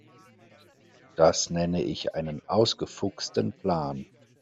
Das nenne ich einen ausgefuchsten Plan.